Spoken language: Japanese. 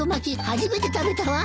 初めて食べたわ。